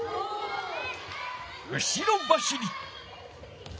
後ろ走り。